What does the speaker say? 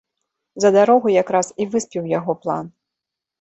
За дарогу якраз і выспеў яго план.